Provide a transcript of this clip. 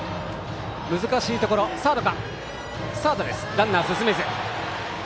ランナー進めず。